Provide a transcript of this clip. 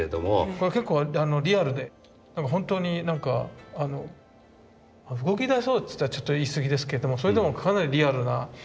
これ結構リアルで本当になんか動きだしそうっつったらちょっと言い過ぎですけれどもそれでもかなりリアルな